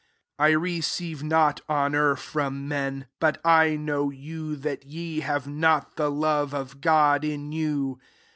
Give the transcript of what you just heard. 41 "I receive not honour from men: but I know you» that ye have not the love of God in you.